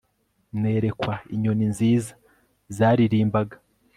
nerekwa inyoni nziza zaririmbaga